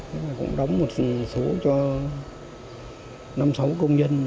thế là cũng đóng một